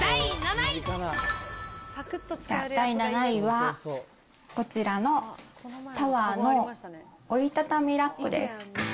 じゃあ、第７位はこちらのタワーの折り畳みラックです。